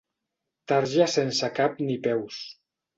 Tarja sense cap ni peus.